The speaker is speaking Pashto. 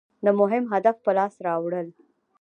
د مهم هدف په لاس راوړل.